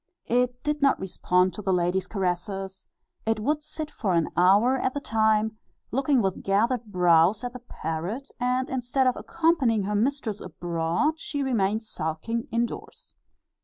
It did not respond to the lady's caresses; it would sit for an hour at the time, looking with gathered brows at the parrot, and instead of accompanying her mistress abroad she remained sulking in doors.